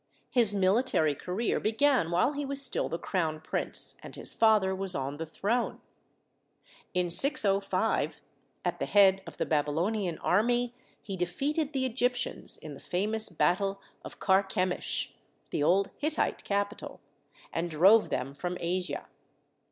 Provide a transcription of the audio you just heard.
His military career began while he was still the crown prince, and his father was on the throne. In 605, at the head of the Babylonian army, he defeated the Egyptians in the famous battle of Carchemish, the old Hittite capital, and drove them from Asia.